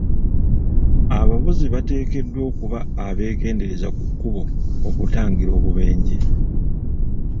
Abavuzi bateekeddwa okuba abegendereza ku kkubo okutangira obubenje.